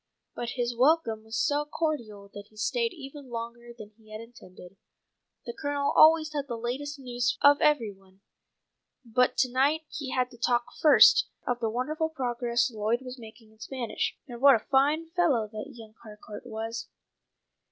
But his welcome was so cordial that he stayed even longer than he had intended. The Colonel always had the latest news of every one, but to night he had to talk first of the wonderful progress Lloyd was making in Spanish, and what a fine fellow that young Harcourt was.